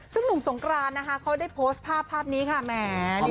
ซึ่งหนุ่มสงครานเขาได้โพสต์ภาพนี้ค่ะแหม